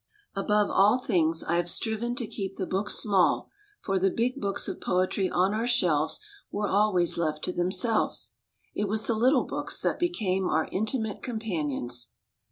Above all things I have striven to keep the book small, for the big books of poetry on our shelves were always left to themselves. It was the little books that became our intimate com panions.